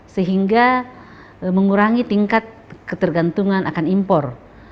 sehingga mengurangi tingkat ketergantungan akan impor